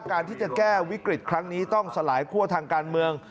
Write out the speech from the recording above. การที่จะแก้วิกฤตครั้งนี้ต้องสลายคั่วทางการเมือง